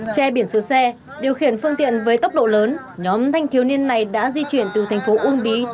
che biển xuống xe điều khiển phương tiện với tốc độ lớn nhóm thanh thiếu niên này đã di chuyển từ thành phố quảng ninh